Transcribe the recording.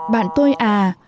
bạn tôi à